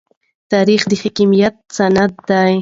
تاریخ د حاکمیت سند دی.